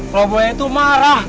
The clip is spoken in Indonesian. kalau buaya itu marah